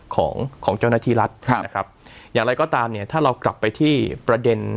ของของเจ้าหน้าที่รัฐครับนะครับอย่างไรก็ตามเนี่ยถ้าเรากลับไปที่ประเด็น